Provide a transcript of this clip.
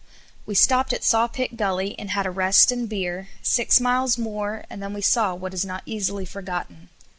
We stopped at Sawpit Gully and had a rest and beer, six miles more and then we saw what is not easily forgotten.